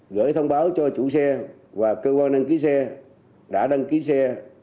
gửi thông báo cho chủ xe và cơ quan đăng ký xe đã đăng ký xe